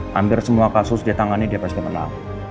hampir semua kasus di tangannya dia pasti menang